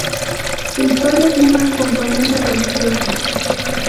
Su historia tiene un componente religioso.